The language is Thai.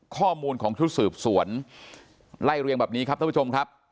ข้อมูลของชุดสืบสวนไล่เรียงแบบนี้ครับท่านผู้ชมครับ